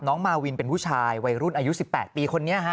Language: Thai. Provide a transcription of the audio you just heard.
มาวินเป็นผู้ชายวัยรุ่นอายุ๑๘ปีคนนี้ฮะ